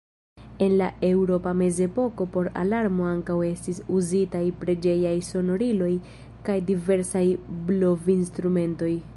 En la eŭropa mezepoko por alarmo ankaŭ estis uzitaj preĝejaj sonoriloj kaj diversaj blovinstrumentoj.